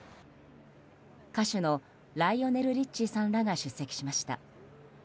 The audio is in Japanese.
歌手のライオネル・リッチーさんらが出席しました。